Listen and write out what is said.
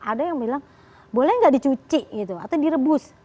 ada yang bilang boleh nggak dicuci gitu atau direbus